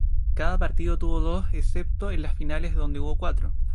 Cada partido tuvo dos, excepto en las finales donde hubo cuatro.